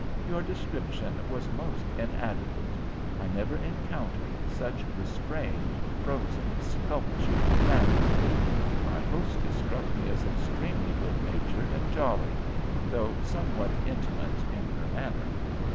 Your description was most inadequate. I never encountered such restrained, frozen, sculptured vanity. My hostess struck me as extremely good natured and jolly, though somewhat intimate in her manner.